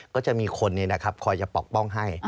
ก็จะมีคนนี้นะครับคอยจะปกป้องให้